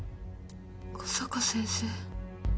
小坂先生。